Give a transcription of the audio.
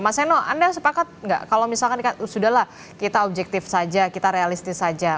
mas eno anda sepakat nggak kalau misalkan sudah lah kita objektif saja kita realistis saja